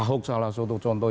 ahok salah satu contoh